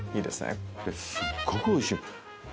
これすっごくおいしいの。